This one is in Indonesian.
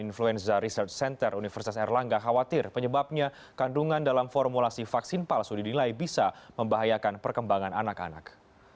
influenza research center universitas erlangga khawatir penyebabnya kandungan dalam formulasi vaksin palsu didilai bisa membahayakan perkembangan anak anak